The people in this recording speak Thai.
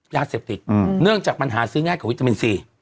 ยาเสพติดเนื่องจากปัญหาซื้อง่ายกับวิตามินซี